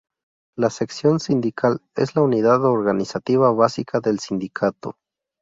La Sección Sindical es la unidad organizativa básica del sindicato.